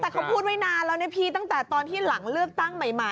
แต่เขาพูดไว้นานแล้วนะพี่ตั้งแต่ตอนที่หลังเลือกตั้งใหม่